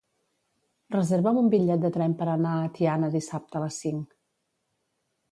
Reserva'm un bitllet de tren per anar a Tiana dissabte a les cinc.